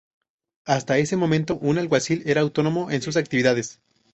Hasta ese momento un alguacil era autónomo en sus actividades.